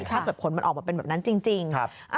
ถ้าเกิดผลมันออกมาเป็นแบบนั้นจริง